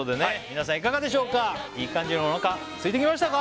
皆さんいかがでしょうかいい感じにおなかすいてきましたか？